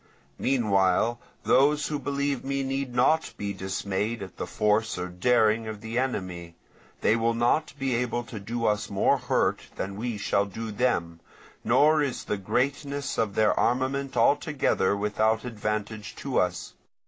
Meanwhile those who believe me need not be dismayed at the force or daring of the enemy. They will not be able to do us more hurt than we shall do them; nor is the greatness of their armament altogether without advantage to us.